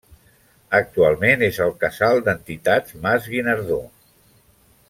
Actualment és el Casal d'Entitats Mas Guinardó.